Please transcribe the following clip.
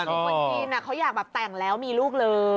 คือคนจีนเขาอยากแบบแต่งแล้วมีลูกเลย